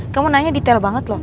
kamu nanya detail banget loh